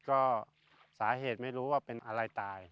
ก็สาเหตุไม่รู้ว่าเป็นอะไรตาย